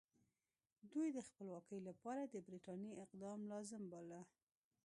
دوی د خپلواکۍ لپاره د برټانیې اقدام لازم باله.